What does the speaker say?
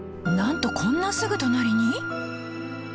なんとこんなすぐ隣に？